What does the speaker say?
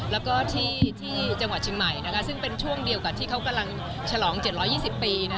แล้วก็ที่จังหวัดเชียงใหม่ซึ่งเป็นช่วงเดียวกับที่เขากำลังฉลอง๗๒๐ปี